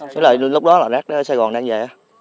với lại lúc đó là rác ở sài gòn đang về